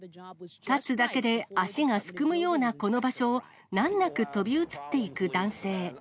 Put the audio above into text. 立つだけで足がすくむようなこの場所を、難なく飛び移っていく男性。